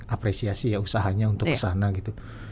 apresiasi ya usahanya untuk sana gitu